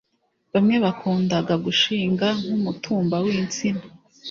bamwe bakundaga gushinga nk’ umutumba w’ insina